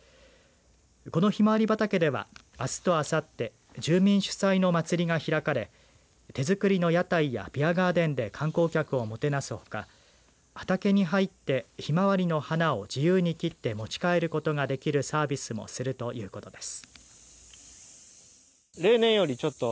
このひまわり畑ではあすとあさって住民主催の祭りが開かれ手づくりの屋台やビアガーデンで観光客を、もてなすほか畑に入って、ひまわりの花を自由に切って持ち帰ることができるサービスもするということです。